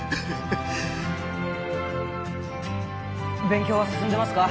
勉強は進んでますか？